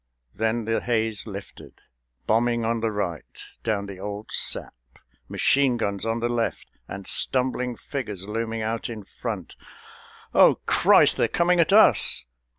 Then the haze lifted. Bombing on the right Down the old sap: machine guns on the left; And stumbling figures looming out in front. "O Christ, they're coming at us!"